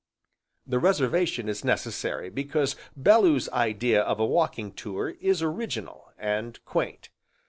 The reservation is necessary because Bellew's idea of a walking tour is original, and quaint.